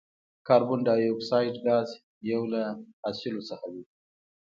کاربن ډای اکساید ګاز یو له حاصلو څخه دی.